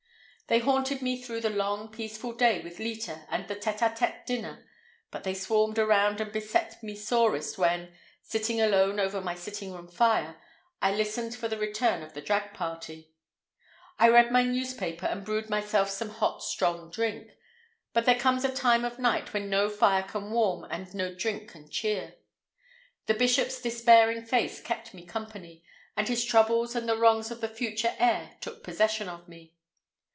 They haunted me through the long peaceful day with Leta and the tête à tête dinner, but they swarmed around and beset me sorest when, sitting alone over my sitting room fire, I listened for the return of the drag party. I read my newspaper and brewed myself some hot strong drink, but there comes a time of night when no fire can warm and no drink can cheer. The bishop's despairing face kept me company, and his troubles and the wrongs of the future heir took possession of me.